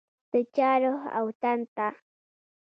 د چا روح او تن ته